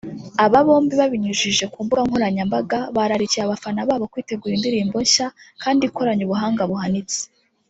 Aba bombi babinyujije ku mbuga nkoranyambaga bararikiye abafana babo kwitega indirimbo nshya kandi ikoranye ubuhanga buhanitse